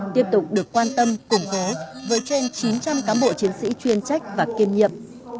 tiếp tục được quan tâm củng cố với trên chín trăm linh cám bộ chiến sĩ chuyên trách và kiên nhập